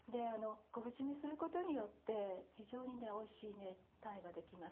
昆布じめすることによって非常においしい鯛ができます。